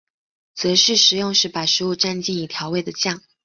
则是食用时把食物蘸进已调味的酱。